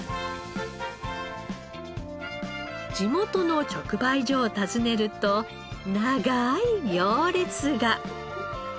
地元の直売所を訪ねると長い行列が。